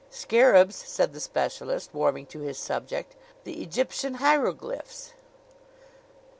"Scarabs," said the specialist, warming to his subject, "the Egyptian hieroglyphs."